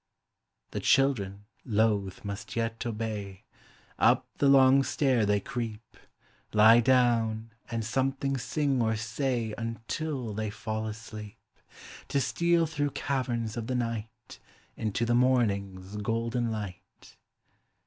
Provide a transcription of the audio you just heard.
The children, loath, must yet obey; Up the long stair they creep; Lie down, and something sing or say Until they fall asleep, To steal through caverns of the night Into the morning's golden light.